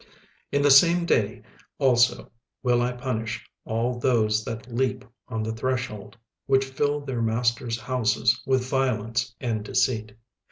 36:001:009 In the same day also will I punish all those that leap on the threshold, which fill their masters' houses with violence and deceit.